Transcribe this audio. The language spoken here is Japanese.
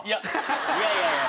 いやいやいや。